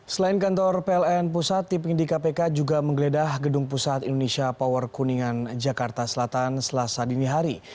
selain kantor pln pusat tim penyidik kpk juga menggeledah gedung pusat indonesia power kuningan jakarta selatan selasa dini hari